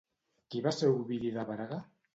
Qui va ser Ovidi de Braga?